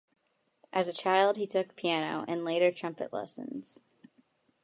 As a child he took piano and later trumpet lessons.